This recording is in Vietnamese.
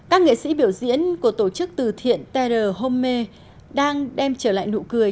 các nghệ sĩ biểu diễn của tổ chức từ thiện terre homme đang đem trở lại nụ cười